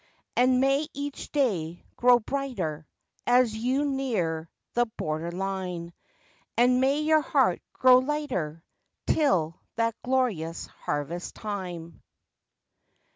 And may each day grow brighter, As you near the "border line," And may your heart grow lighter 'Till that glorious harvest time.